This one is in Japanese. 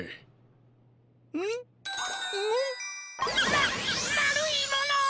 ままるいもの！